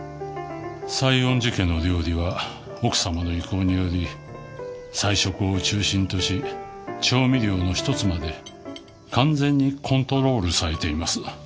西園寺家の料理は奥様の意向により菜食を中心とし調味料の１つまで完全にコントロールされています